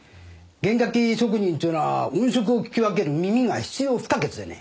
弦楽器職人というのは音色を聞き分ける耳が必要不可欠でね。